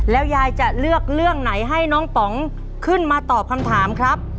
แล้วยายจะเลือกเรื่องไหนให้น้องป๋องขึ้นมาตอบคำถามครับ